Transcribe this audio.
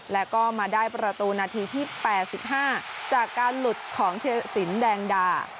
แล้วก็มาได้ประตูนาทีที่๘๕จากการหลุดของเทียสินแดงดา